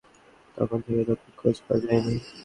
তখন থেকেই তাদের খোঁজ পাওয়া যায়নি।